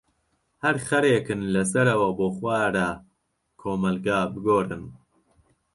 هەر خەرێکن لەسەرەوە بۆ خوارە کۆمەلگا بگۆرن.